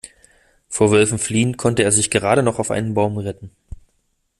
Vor Wölfen fliehend konnte er sich gerade noch auf einen Baum retten.